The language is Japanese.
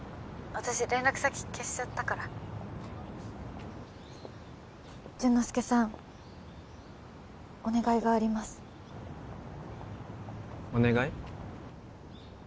☎私連絡先消しちゃったから潤之介さんお願いがありますお願い？